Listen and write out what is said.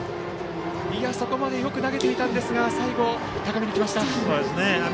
そこまでよく投げていたんですが最後、高めにきました。